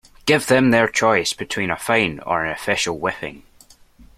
Give them their choice between a fine or an official whipping.